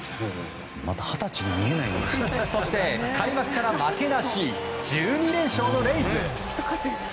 そして、開幕から負けなし１２連勝のレイズ！